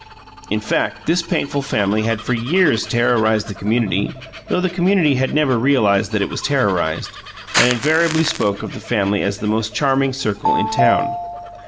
In fact, this painful family had for years terrorized the community, though the community had never realized that it was terrorized, and invariably spoke of the family as the "most charming circle in town."